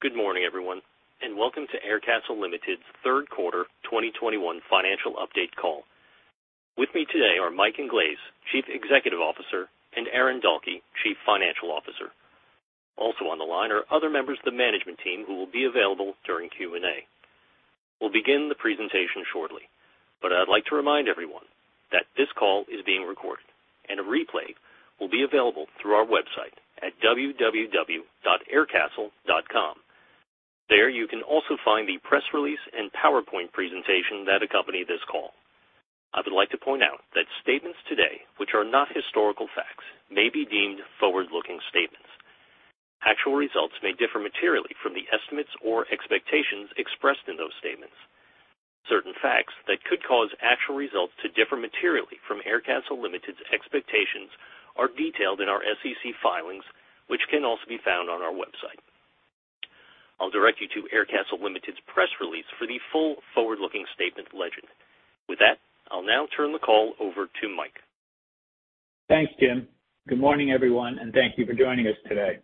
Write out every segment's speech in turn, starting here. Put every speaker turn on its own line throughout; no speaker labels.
Good morning, everyone, and welcome to Aircastle Limited's Q3 2021 financial update call. With me today are Mike Inglese, Chief Executive Officer, and Roy Chandran, Chief Financial Officer. Also on the line are other members of the management team who will be available during Q&A. We'll begin the presentation shortly, but I'd like to remind everyone that this call is being recorded, and a replay will be available through our website at www.aircastle.com. There, you can also find the press release and PowerPoint presentation that accompany this call. I would like to point out that statements today, which are not historical facts, may be deemed forward-looking statements. Actual results may differ materially from the estimates or expectations expressed in those statements. Certain facts that could cause actual results to differ materially from Aircastle Limited's expectations are detailed in our SEC filings, which can also be found on our website. I'll direct you to Aircastle Limited's press release for the full forward-looking statement legend. With that, I'll now turn the call over to Mike.
Thanks, Jim. Good morning, everyone, and thank you for joining us today.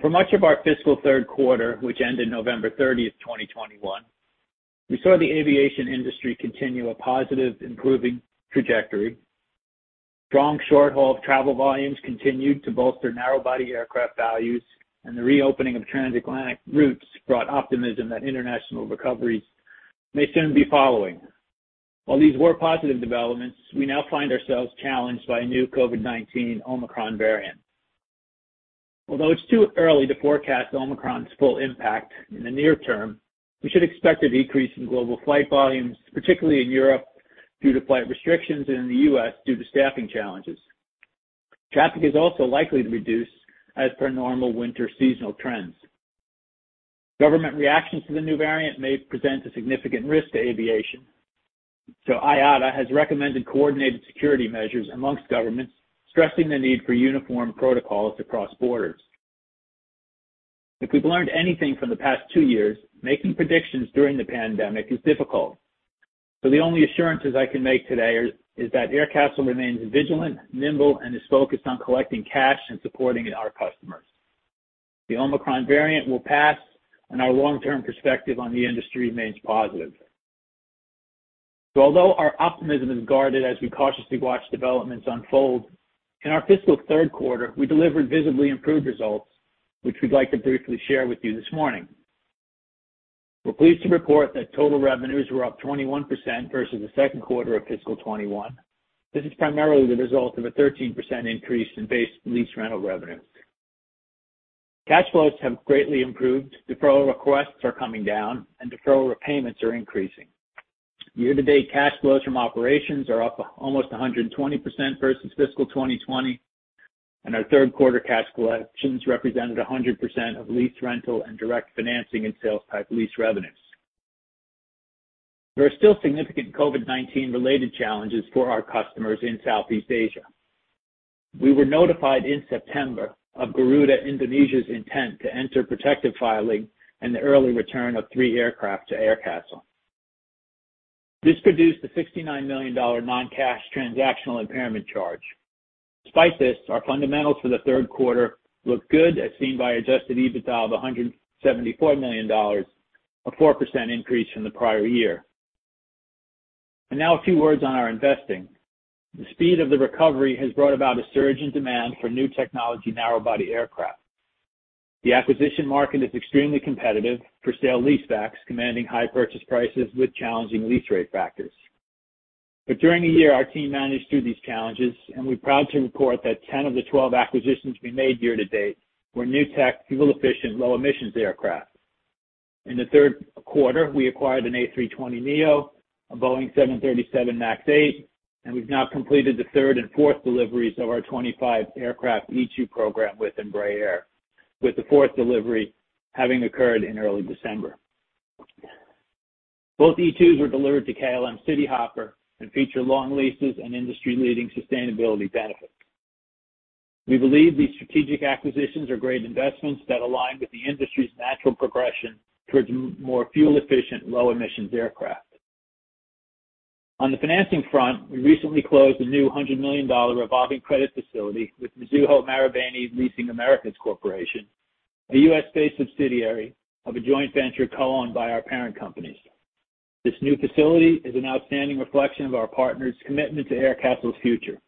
For much of our fiscal third quarter, which ended November 30, 2021, we saw the aviation industry continue a positive, improving trajectory. Strong short-haul travel volumes continued to bolster narrow body aircraft values, and the reopening of transatlantic routes brought optimism that international recoveries may soon be following. While these were positive developments, we now find ourselves challenged by a new COVID-19 Omicron variant. Although it's too early to forecast Omicron's full impact in the near term, we should expect a decrease in global flight volumes, particularly in Europe, due to flight restrictions in the U.S. due to staffing challenges. Traffic is also likely to reduce as per normal winter seasonal trends. Government reactions to the new variant may present a significant risk to aviation, so IATA has recommended coordinated security measures among governments, stressing the need for uniform protocols across borders. If we've learned anything from the past two years, making predictions during the pandemic is difficult. The only assurances I can make today are that Aircastle remains vigilant, nimble, and is focused on collecting cash and supporting our customers. The Omicron variant will pass, and our long-term perspective on the industry remains positive. Although our optimism is guarded as we cautiously watch developments unfold, in our fiscal third quarter, we delivered visibly improved results, which we'd like to briefly share with you this morning. We're pleased to report that total revenues were up 21% versus the second quarter of fiscal 2021. This is primarily the result of a 13% increase in base lease rental revenue. Cash flows have greatly improved, deferral requests are coming down, and deferral repayments are increasing. Year-to-date cash flows from operations are up almost 120% versus fiscal 2020, and our third quarter cash collections represented 100% of lease, rental, and direct financing and sales type lease revenues. There are still significant COVID-19-related challenges for our customers in Southeast Asia. We were notified in September of Garuda Indonesia's intent to enter protective filing and the early return of three aircraft to Aircastle. This produced a $69 million non-cash transactional impairment charge. Despite this, our fundamentals for the third quarter look good, as seen by adjusted EBITDA of $174 million, a 4% increase from the prior year. Now a few words on our investing. The speed of the recovery has brought about a surge in demand for new technology narrow body aircraft. The acquisition market is extremely competitive, for sale leasebacks commanding high purchase prices with challenging lease rate factors. During the year, our team managed through these challenges, and we're proud to report that 10 of the 12 acquisitions we made year-to-date were new tech, fuel-efficient, low-emissions aircraft. In the third quarter, we acquired an A320neo, a Boeing 737 MAX 8, and we've now completed the third and fourth deliveries of our 25-aircraft E2 program with Embraer, with the fourth delivery having occurred in early December. Both E2s were delivered to KLM Cityhopper and feature long leases and industry-leading sustainability benefits. We believe these strategic acquisitions are great investments that align with the industry's natural progression towards more fuel-efficient, low-emissions aircraft. On the financing front, we recently closed a new $100 million revolving credit facility with Mizuho Marubeni Leasing America Corporation, the U.S.-based subsidiary of a joint venture co-owned by our parent companies. This new facility is an outstanding reflection of our partners' commitment to Aircastle's future.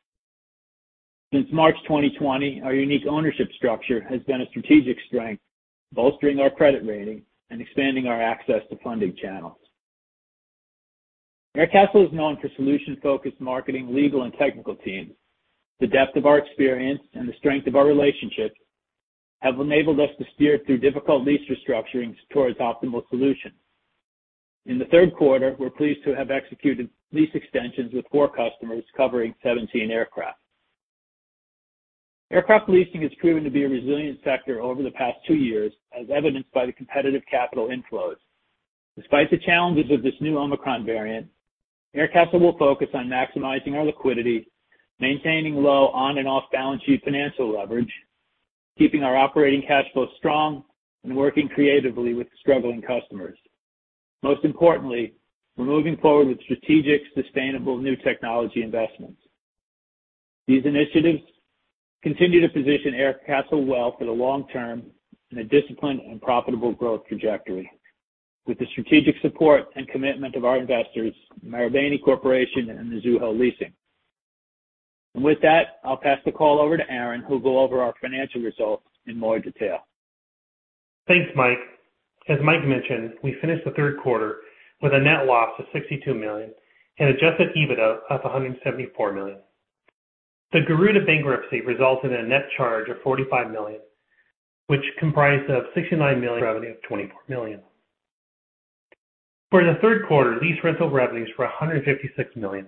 Since March 2020, our unique ownership structure has been a strategic strength, bolstering our credit rating and expanding our access to funding channels. Aircastle is known for solution-focused marketing, legal, and technical teams. The depth of our experience and the strength of our relationships have enabled us to steer through difficult lease restructurings towards optimal solutions. In the third quarter, we're pleased to have executed lease extensions with four customers covering 17 aircraft. Aircraft leasing has proven to be a resilient sector over the past two years, as evidenced by the competitive capital inflows. Despite the challenges of this new Omicron variant, Aircastle will focus on maximizing our liquidity, maintaining low on and off-balance sheet financial leverage, keeping our operating cash flow strong, and working creatively with struggling customers. Most importantly, we're moving forward with strategic, sustainable new technology investments. These initiatives continue to position Aircastle well for the long term in a disciplined and profitable growth trajectory, with the strategic support and commitment of our investors, Marubeni Corporation and Mizuho Leasing. With that, I'll pass the call over to Roy, who'll go over our financial results in more detail.
Thanks, Mike. As Mike mentioned, we finished the third quarter with a net loss of $62 million and adjusted EBITDA of $174 million. The Garuda bankruptcy results in a net charge of $45 million, which comprised of $69 million revenue of $24 million. For the third quarter, lease rental revenues were $156 million.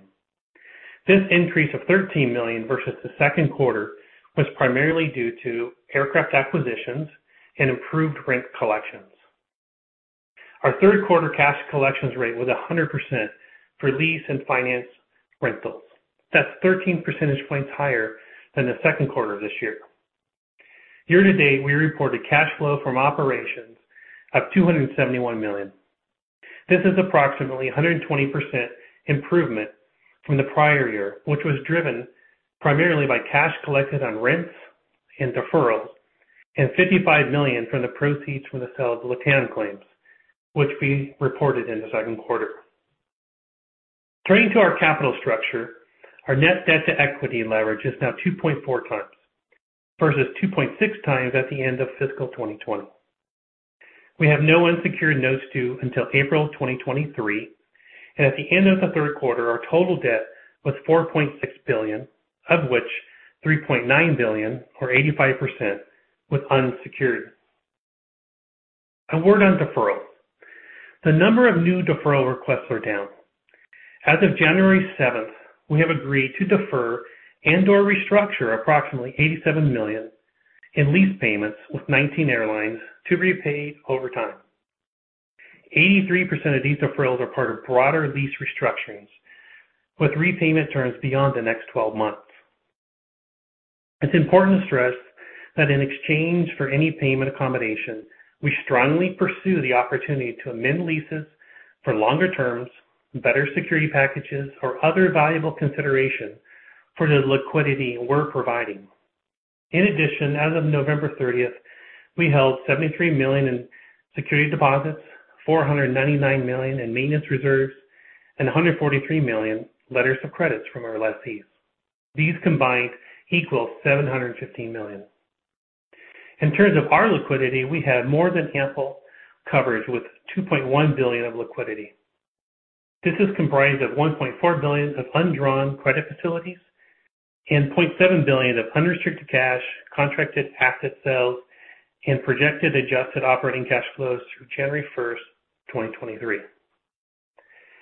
This increase of $13 million versus the second quarter was primarily due to aircraft acquisitions and improved rent collections. Our third quarter cash collections rate was 100% for lease and finance rentals. That's 13 percentage points higher than the second quarter of this year. Year to date, we reported cash flow from operations of $271 million. This is approximately 120% improvement from the prior year, which was driven primarily by cash collected on rents and deferrals, and $55 million from the proceeds from the sale of the LATAM claims, which we reported in the second quarter. Turning to our capital structure, our net debt-to-equity leverage is now 2.4x, versus 2.6x at the end of fiscal 2020. We have no unsecured notes due until April 2023, and at the end of the third quarter, our total debt was $4.6 billion, of which $3.9 billion or 85% was unsecured. A word on deferral. The number of new deferral requests are down. As of January 7, we have agreed to defer and/or restructure approximately $87 million in lease payments with 19 airlines to repay over time. 83% of these deferrals are part of broader lease restructurings, with repayment terms beyond the next 12 months. It's important to stress that in exchange for any payment accommodation, we strongly pursue the opportunity to amend leases for longer terms, better security packages, or other valuable consideration for the liquidity we're providing. In addition, as of November 30, we held $73 million in security deposits, $499 million in maintenance reserves, and $143 million letters of credit from our lessees. These combined equal $715 million. In terms of our liquidity, we have more than ample coverage with $2.1 billion of liquidity. This is comprised of $1.4 billion of undrawn credit facilities and $0.7 billion of unrestricted cash, contracted asset sales, and projected adjusted operating cash flows through January 1, 2023.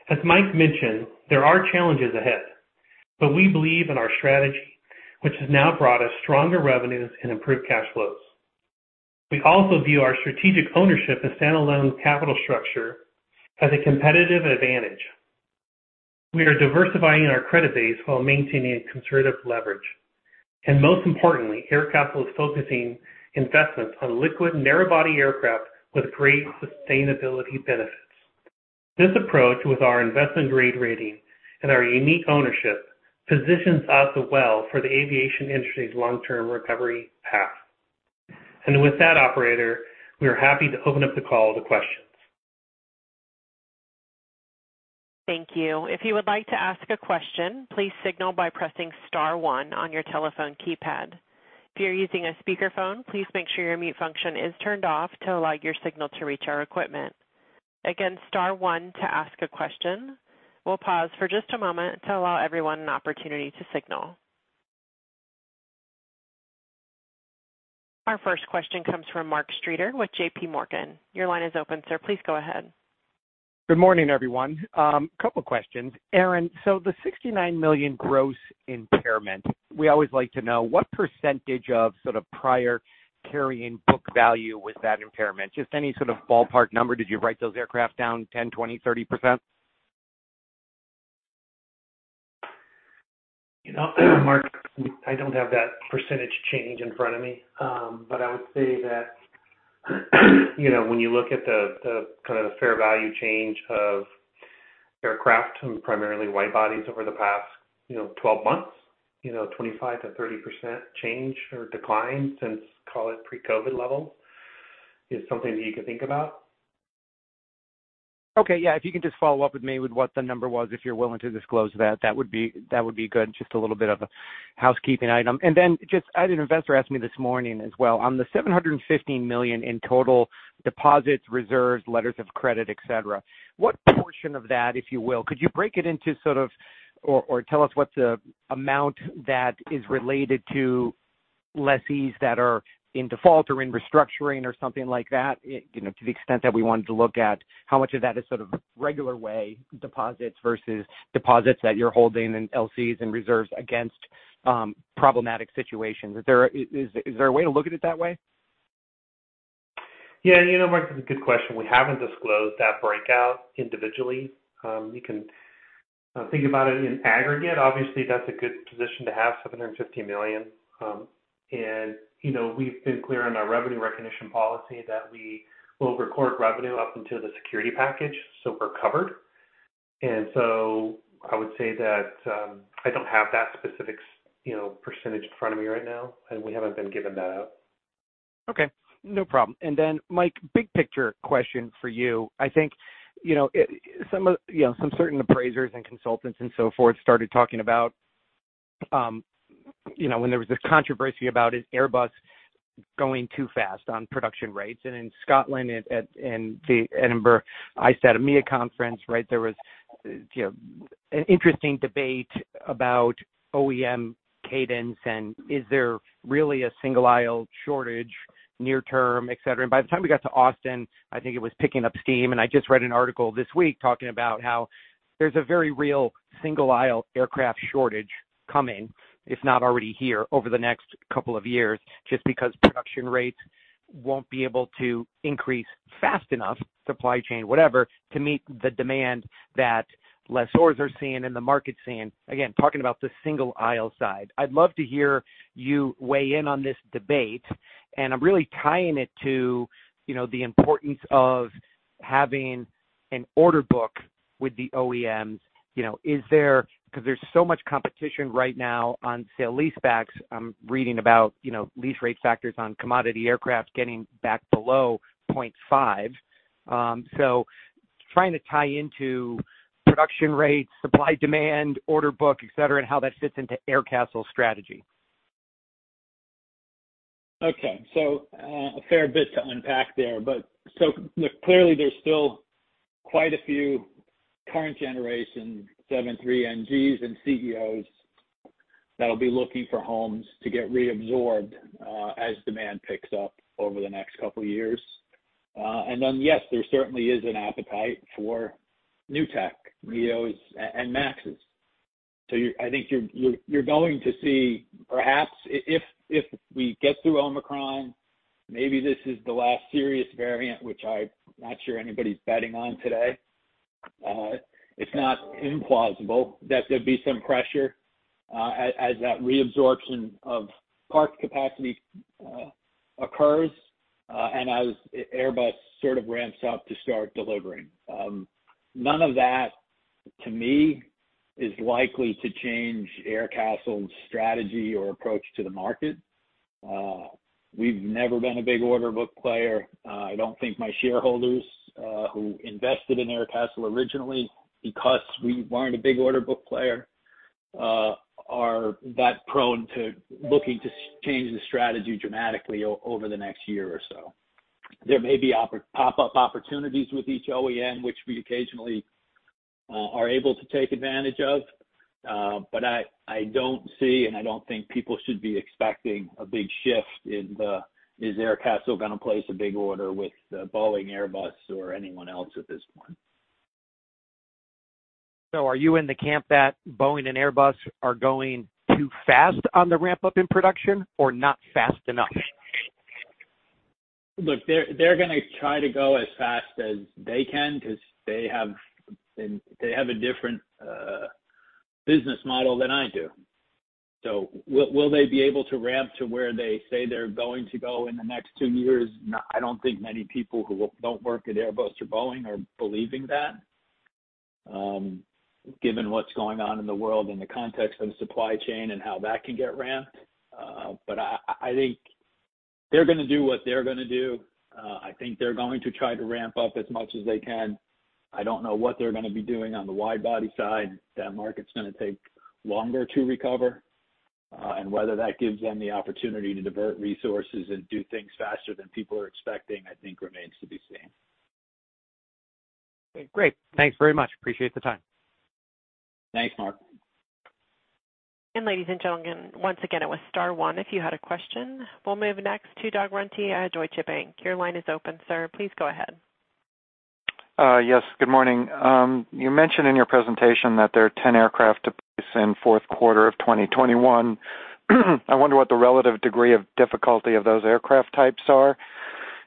As Mike mentioned, there are challenges ahead, but we believe in our strategy, which has now brought us stronger revenues and improved cash flows. We also view our strategic ownership and standalone capital structure as a competitive advantage. We are diversifying our credit base while maintaining a conservative leverage. Most importantly, Aircastle is focusing investments on liquid narrow-body aircraft with great sustainability benefits. This approach with our investment-grade rating and our unique ownership positions us well for the aviation industry's long-term recovery path. With that, operator, we are happy to open up the call to questions.
Thank you. If you would like to ask a question, please signal by pressing star one on your telephone keypad. If you're using a speakerphone, please make sure your mute function is turned off to allow your signal to reach our equipment. Again, star one to ask a question. We'll pause for just a moment to allow everyone an opportunity to signal. Our first question comes from Mark Streeter with JPMorgan. Your line is open, sir. Please go ahead.
Good morning, everyone. A couple of questions. Aaron, the $69 million gross impairment, we always like to know what percentage of sort of prior carrying book value was that impairment? Just any sort of ballpark number. Did you write those aircraft down 10%, 20%, 30%?
You know, Mark, I don't have that percentage change in front of me. I would say that, you know, when you look at the kind of fair value change of aircraft and primarily wide-bodies over the past, you know, 12 months, you know, 25%-30% change or decline since, call it pre-COVID levels, is something that you could think about.
Okay. Yeah. If you can just follow up with me with what the number was, if you're willing to disclose that would be good. Just a little bit of a housekeeping item. Just as an investor asked me this morning as well, on the $715 million in total deposits, reserves, letters of credit, et cetera, what portion of that, if you will, could you break it into sort of, or tell us what's the amount that is related to lessees that are in default or in restructuring or something like that? You know, to the extent that we wanted to look at how much of that is sort of regular way deposits versus deposits that you're holding in LCs and reserves against problematic situations. Is there a way to look at it that way?
Yeah. You know, Mark, that's a good question. We haven't disclosed that breakout individually. You can think about it in aggregate. Obviously, that's a good position to have, $750 million. You know, we've been clear on our revenue recognition policy that we will record revenue up until the security package, so we're covered. I would say that I don't have that specific, you know, percentage in front of me right now, and we haven't been given that out.
Okay, no problem. Mike, big picture question for you. I think, you know, some certain appraisers and consultants and so forth started talking about, you know, when there was this controversy about an Airbus going too fast on production rates. In Scotland at the Edinburgh ISTAT EMEA conference, right, there was, you know, an interesting debate about OEM cadence and is there really a single aisle shortage near term, etc. By the time we got to Austin, I think it was picking up steam, and I just read an article this week talking about how there's a very real single aisle aircraft shortage coming, if not already here, over the next couple of years, just because production rates won't be able to increase fast enough, supply chain, whatever, to meet the demand that lessors are seeing and the market's seeing. Again, talking about the single aisle side. I'd love to hear you weigh in on this debate, and I'm really tying it to, you know, the importance of having an order book with the OEMs. You know, is there, 'cause there's so much competition right now on sale leasebacks. I'm reading about, you know, lease rate factors on commodity aircraft getting back below 0.5. Trying to tie into production rates, supply and demand, order book, etc, and how that fits into Aircastle's strategy.
Okay. A fair bit to unpack there, but look, clearly there's still quite a few current generation 737NGs and CEOs that'll be looking for homes to get reabsorbed, as demand picks up over the next couple years. Yes, there certainly is an appetite for new tech, NEOs and MAXes. I think you're going to see perhaps if we get through Omicron, maybe this is the last serious variant, which I'm not sure anybody's betting on today. It's not implausible that there'd be some pressure, as that reabsorption of parked capacity occurs, and as Airbus sort of ramps up to start delivering. None of that, to me, is likely to change Aircastle's strategy or approach to the market. We've never been a big order book player. I don't think my shareholders who invested in Aircastle originally because we weren't a big order book player are that prone to looking to change the strategy dramatically over the next year or so. There may be pop-up opportunities with each OEM, which we occasionally are able to take advantage of. I don't see, and I don't think people should be expecting a big shift in the is Aircastle gonna place a big order with Boeing, Airbus or anyone else at this point.
Are you in the camp that Boeing and Airbus are going too fast on the ramp-up in production or not fast enough?
Look, they're gonna try to go as fast as they can 'cause they have a different business model than I do. Will they be able to ramp to where they say they're going to go in the next two years? I don't think many people who don't work at Airbus or Boeing are believing that, given what's going on in the world, in the context of supply chain and how that can get ramped. I think they're gonna do what they're gonna do. I think they're going to try to ramp up as much as they can. I don't know what they're gonna be doing on the wide body side. That market's gonna take longer to recover. Whether that gives them the opportunity to divert resources and do things faster than people are expecting, I think remains to be seen.
Great. Thanks very much. I appreciate the time.
Thanks, Mark.
Ladies and gentlemen, once again, it was star one, if you had a question. We'll move next to Doug Runte at Deutsche Bank. Your line is open, sir. Please go ahead.
Yes, good morning. You mentioned in your presentation that there are 10 aircraft to place in fourth quarter of 2021. I wonder what the relative degree of difficulty of those aircraft types are,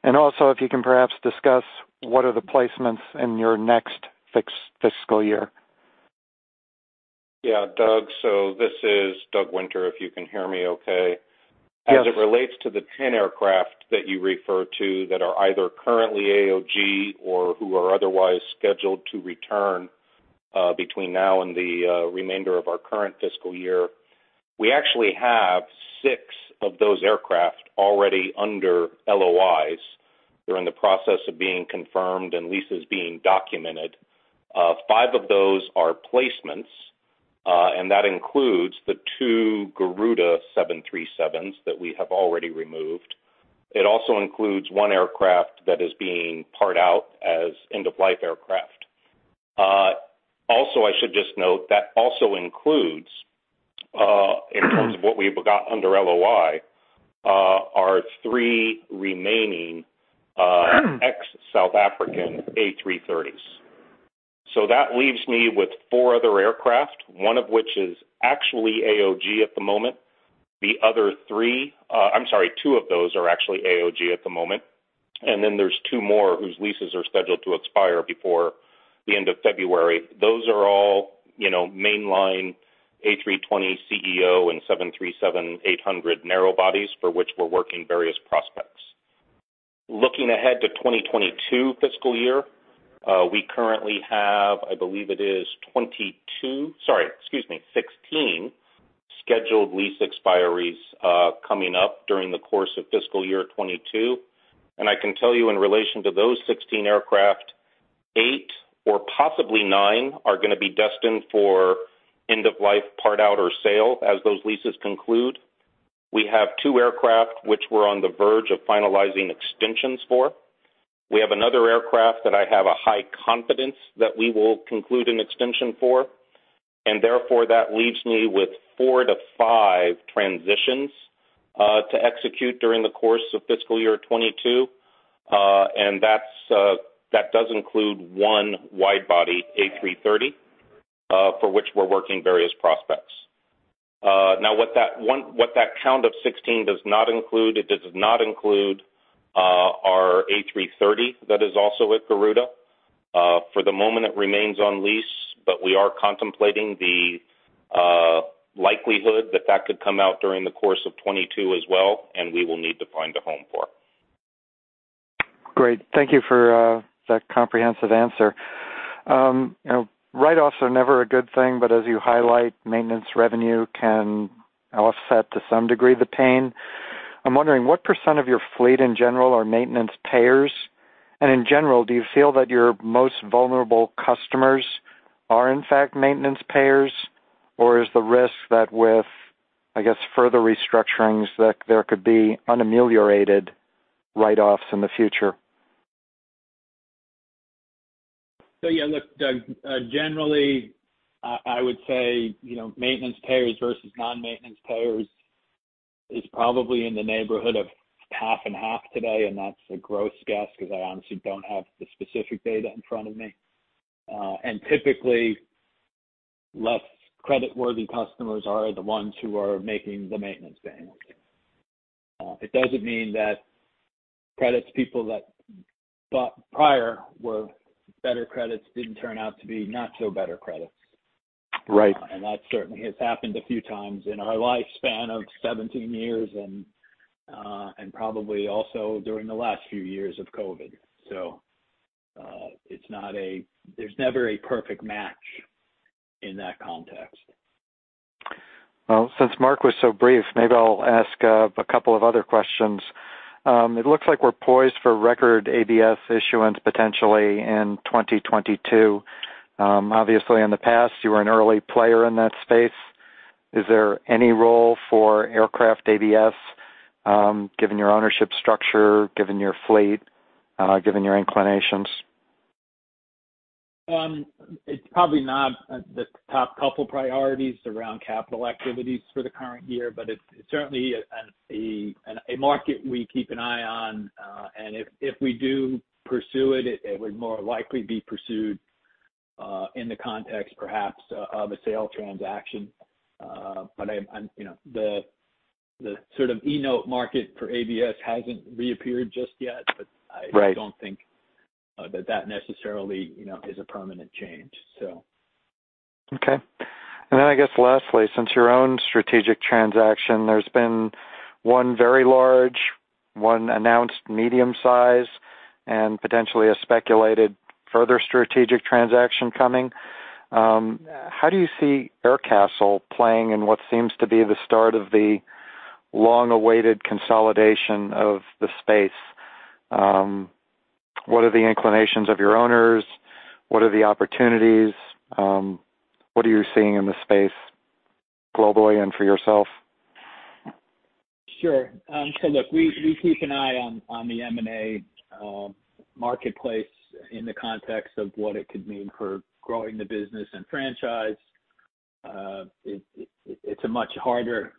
and also if you can perhaps discuss what are the placements in your next fiscal year.
Yeah, Doug. This is Doug Winter, if you can hear me okay.
Yes.
As it relates to the 10 aircraft that you refer to that are either currently AOG or who are otherwise scheduled to return between now and the remainder of our current fiscal year, we actually have six of those aircraft already under LOIs. They're in the process of being confirmed and leases being documented. Five of those are placements, and that includes the two Garuda 737s that we have already removed. It also includes one aircraft that is being parked out as end of life aircraft. Also, I should just note that also includes in terms of what we've got under LOI our three remaining ex-South African A330s. That leaves me with four other aircraft, one of which is actually AOG at the moment. The other two of those are actually AOG at the moment. Then there's two more whose leases are scheduled to expire before the end of February. Those are all, you know, mainline A320ceo and 737-800 narrow bodies for which we're working various prospects. Looking ahead to 2022 fiscal year, we currently have 16 scheduled lease expiries coming up during the course of fiscal year 2022. I can tell you in relation to those 16 aircraft, eight or possibly nine are gonna be destined for end of life part-out or sale as those leases conclude. We have two aircraft which we're on the verge of finalizing extensions for. We have another aircraft that I have a high confidence that we will conclude an extension for, and therefore, that leaves me with four to five transitions to execute during the course of fiscal year 2022. That's that does include one wide-body A330 for which we're working various prospects. Now what that count of 16 does not include our A330 that is also with Garuda. For the moment, it remains on lease, but we are contemplating the likelihood that that could come out during the course of 2022 as well, and we will need to find a home for.
Great. Thank you for that comprehensive answer. You know, write-offs are never a good thing, but as you highlight, maintenance revenue can offset to some degree the pain. I'm wondering, what percent of your fleet in general are maintenance payers? And in general, do you feel that your most vulnerable customers are in fact maintenance payers, or is the risk that with, I guess, further restructurings, that there could be unameliorated write-offs in the future?
Yeah, look, Doug, generally, I would say, you know, maintenance payers versus non-maintenance payers is probably in the neighborhood of half and half today, and that's a gross guess because I honestly don't have the specific data in front of me. Typically, less creditworthy customers are the ones who are making the maintenance payments. It doesn't mean that credits, people that bought prior were better credits didn't turn out to be not so better credits.
Right.
That certainly has happened a few times in our lifespan of 17 years and probably also during the last few years of COVID. There's never a perfect match in that context.
Well, since Mark was so brief, maybe I'll ask a couple of other questions. It looks like we're poised for record ABS issuance potentially in 2022. Obviously, in the past, you were an early player in that space. Is there any role for aircraft ABS, given your ownership structure, given your fleet, given your inclinations?
It's probably not the top couple priorities around capital activities for the current year, but it's certainly a market we keep an eye on. If we do pursue it would more likely be pursued in the context perhaps of a sale transaction. I'm, you know, the sort of E-note market for ABS hasn't reappeared just yet.
Right.
I don't think that necessarily, you know, is a permanent change, so.
Okay. I guess lastly, since your own strategic transaction, there's been one very large, one announced medium-size, and potentially a speculated further strategic transaction coming. How do you see Aircastle playing in what seems to be the start of the long-awaited consolidation of the space? What are the inclinations of your owners? What are the opportunities? What are you seeing in the space globally and for yourself?
Sure. Look, we keep an eye on the M&A marketplace in the context of what it could mean for growing the business and franchise. It’s a much harder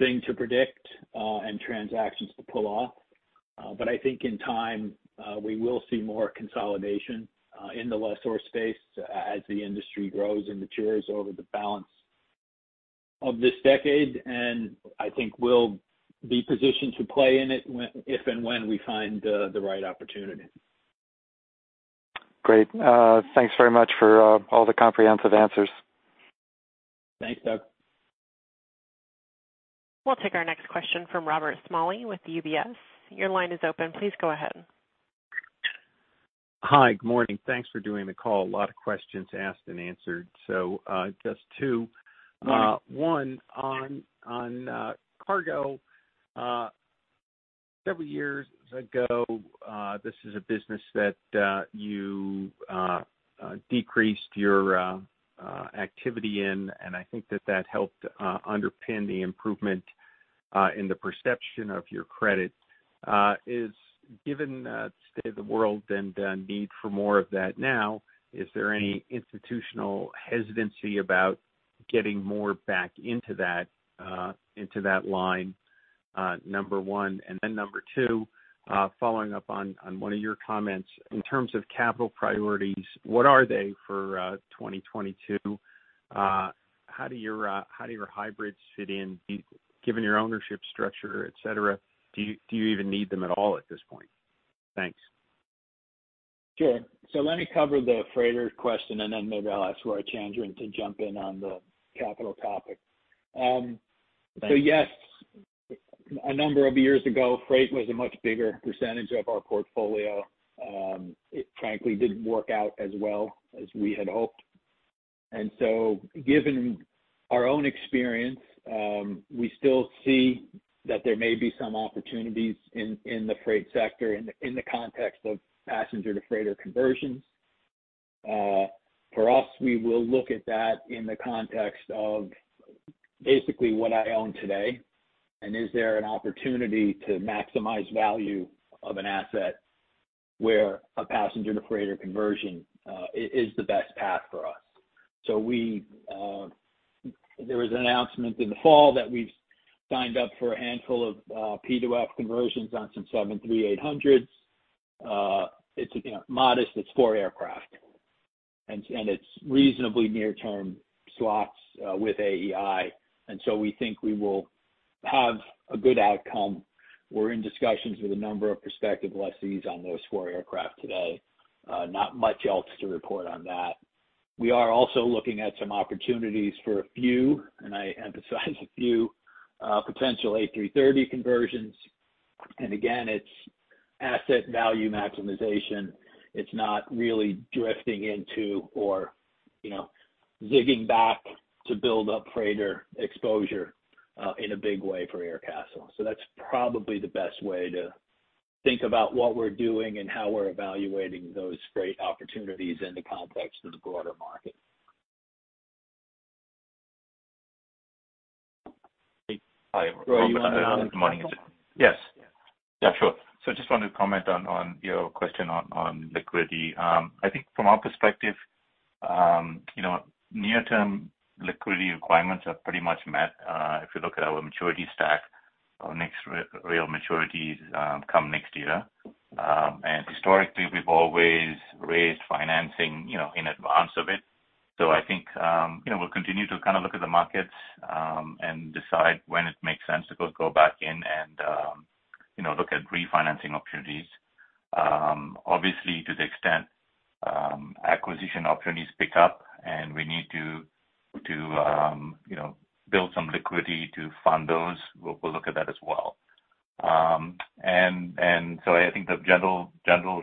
thing to predict and transactions to pull off. I think in time we will see more consolidation in the lessor space as the industry grows and matures over the balance of this decade, and I think we'll be positioned to play in it if and when we find the right opportunity.
Great. Thanks very much for all the comprehensive answers.
Thanks, Doug.
We'll take our next question from Robert Smalley with UBS. Your line is open. Please go ahead.
Hi. Good morning. Thanks for doing the call. A lot of questions asked and answered. Just two.
Mm-hmm.
One, on cargo, several years ago, this is a business that you decreased your activity in, and I think that helped underpin the improvement in the perception of your credit. Given the state of the world and the need for more of that now, is there any institutional hesitancy about getting more back into that line? Number one. Then number two, following up on one of your comments, in terms of capital priorities, what are they for 2022? How do your hybrids fit in? Given your ownership structure, et cetera, do you even need them at all at this point? Thanks.
Sure. Let me cover the freighter question, and then maybe I'll ask Roy Chandran to jump in on the capital topic. Yes, a number of years ago, freight was a much bigger percentage of our portfolio. It frankly didn't work out as well as we had hoped. Given our own experience, we still see that there may be some opportunities in the freight sector in the context of passenger-to-freighter conversions. For us, we will look at that in the context of basically what I own today, and is there an opportunity to maximize value of an asset where a passenger-to-freighter conversion is the best path for us. There was an announcement in the fall that we've signed up for a handful of P2F conversions on some 737-800s. It's, you know, modest. It's four aircraft. It's reasonably near-term slots with AEI. We think we will have a good outcome. We're in discussions with a number of prospective lessees on those four aircraft today. Not much else to report on that. We are also looking at some opportunities for a few, and I emphasize a few, potential A330 conversions. Again, it's asset value maximization. It's not really drifting into or, you know, zigging back to build up freighter exposure in a big way for Aircastle. That's probably the best way to think about what we're doing and how we're evaluating those freight opportunities in the context of the broader market.
Hi.
Roy, you want to.
Good morning. Yes. Yeah, sure. I just wanted to comment on your question on liquidity. I think from our perspective, you know, near-term liquidity requirements are pretty much met. If you look at our maturity stack, our next real maturities come next year. Historically, we've always raised financing, you know, in advance of it. I think you know we'll continue to kind of look at the markets and decide when it makes sense to go back in and you know look at refinancing opportunities. Obviously, to the extent acquisition opportunities pick up and we need to you know build some liquidity to fund those, we'll look at that as well. I think the general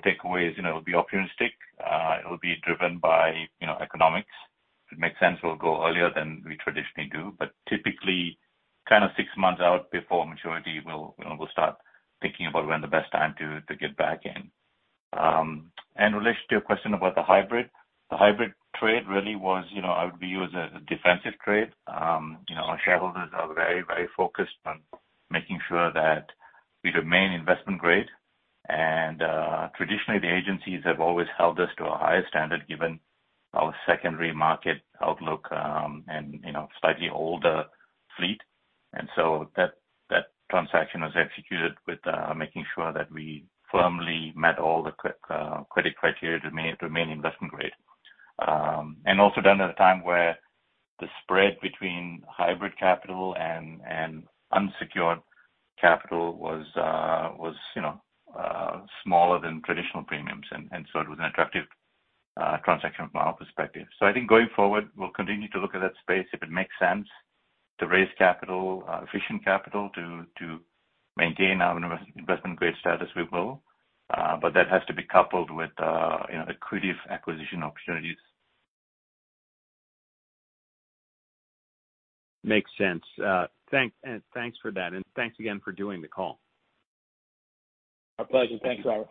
takeaway is, you know, it'll be opportunistic. It will be driven by, you know, economics. If it makes sense, we'll go earlier than we traditionally do. Typically, kind of six months out before maturity, you know, we'll start thinking about when the best time to get back in. Related to your question about the hybrid, the hybrid trade really was, you know, I would view as a defensive trade. You know, our shareholders are very focused on making sure that we remain investment grade. Traditionally, the agencies have always held us to a higher standard given our secondary market outlook, and, you know, slightly older fleet. That transaction was executed with making sure that we firmly met all the credit criteria to remain investment grade. Also done at a time where the spread between hybrid capital and unsecured capital was, you know, smaller than traditional premiums, and so it was an attractive transaction from our perspective. I think going forward, we'll continue to look at that space if it makes sense to raise efficient capital to maintain our investment grade status, we will. That has to be coupled with, you know, accretive acquisition opportunities.
Makes sense. Thanks for that, and thanks again for doing the call.
Our pleasure. Thanks, Robert.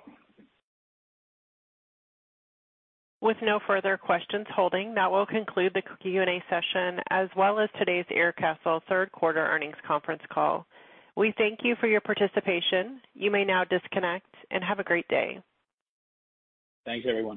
With no further questions holding, that will conclude the Q&A session as well as today's Aircastle third quarter earnings conference call. We thank you for your participation. You may now disconnect and have a great day.
Thanks, everyone.